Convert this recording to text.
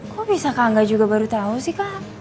kok bisa kak angga juga baru tau sih kak